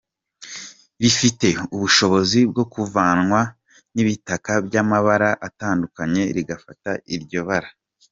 Rifite ubushobozi bwo kuvangwa n’ibitaka by’amabara atandukanye rigafata iryo bara.